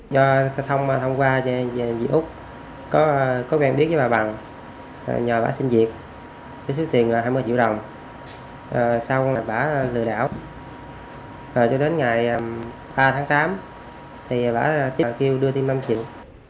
do thông qua về dị úc có quen biết với bà bằng nhờ bà xin việc số tiền là hai mươi triệu đồng